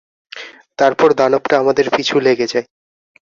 তারপর দানবটা আমাদের পিছু লেগে যায়।